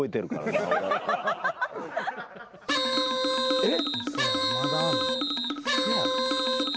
えっ？